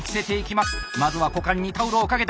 まずは股間にタオルをかけた。